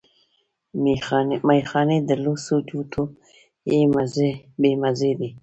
ميخانې د لوڅو جونو بې مزې دي